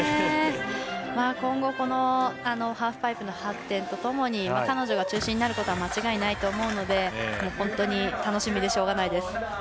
今後ハーフパイプの発展とともに彼女が中心になることは間違いないと思うので本当に楽しみでしょうがないです。